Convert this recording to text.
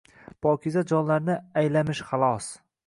Pokiza jonlarni aylamish xalos